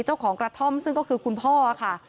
เจ้าของกระท่อมซึ่งก็คือคุณพ่อค่ะ